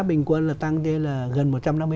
bình quân là tăng lên là gần một trăm năm mươi